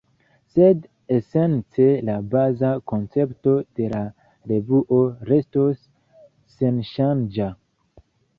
Sed esence la baza koncepto de la revuo restos senŝanĝa.